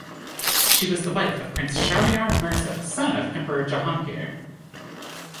She was the wife of Prince Shahryar Mirza son of Emperor Jahangir.